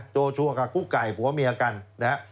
โจชัวร์กับกุ๊กไก่ผัวมียกัน